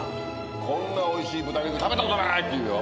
「こんなおいしい豚肉食べたことない」って言うよ。